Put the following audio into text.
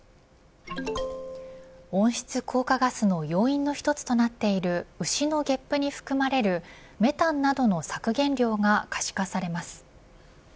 温室効果ガスの要因の一つとなっている牛のゲップに含まれるメタンなどの削減量が可視化されます。